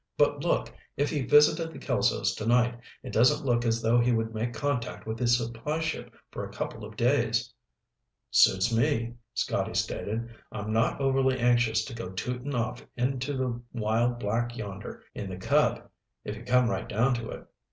"But look, if he visited the Kelsos tonight, it doesn't look as though he would make contact with his supply ship for a couple of days." "Suits me," Scotty stated. "I'm not overly anxious to go tooting off into the wild black yonder in the Cub, if you come right down to it.